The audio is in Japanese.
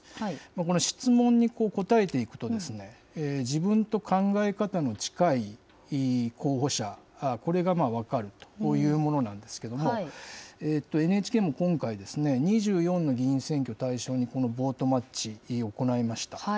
この質問に答えていくと、自分と考え方の近い候補者、これが分かるというものなんですけども、ＮＨＫも今回ですね、２４の議員選挙を対象に、このボートマッチ、行いました。